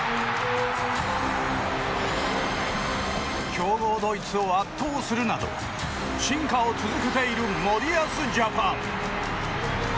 強豪ドイツを圧倒するなど進化を続けている森保ジャパン。